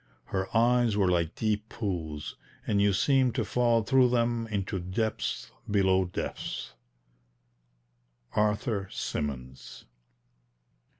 Her eyes were like deep pools, and you seemed to fall through them into depths below depths. ARTHUR SYMONS.